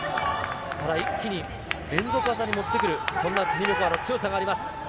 一気に連続技に持ってくるティニベコワの強さがあります。